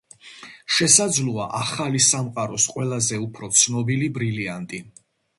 შესაძლოა, ახალი სამყაროს ყველაზე უფრო ცნობილი ბრილიანტი.